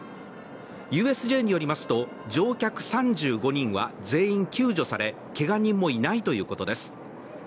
ＵＳＪによりますと、乗客３５人は全員救助されけが人もいないということです。